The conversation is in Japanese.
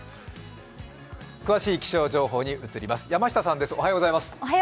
詳しい気象情報に移ります。